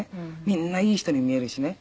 みんないい人に見えるしね